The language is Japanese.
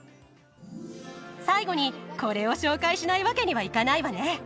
最後にこれを紹介しないわけにはいかないわね。